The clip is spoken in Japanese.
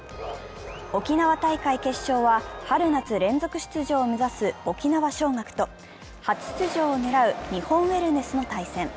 沖縄大会決勝は春夏連続出場を目指す沖縄尚学と初出場を狙う日本ウェルネスの対戦。